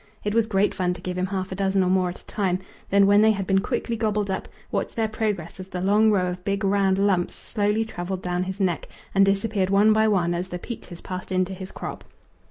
It was great fun to give him half a dozen or more at a time, then, when they had been quickly gobbled up, watch their progress as the long row of big round lumps slowly travelled down his neck and disappeared one by one as the peaches passed into his crop.